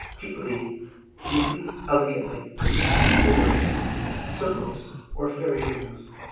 Featly: neatly, elegantly. Orbs: circles, or fairy rings.